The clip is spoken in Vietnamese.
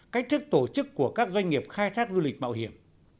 cách thức tổ chức của các doanh nghiệp khai thác du lịch mạo hiểm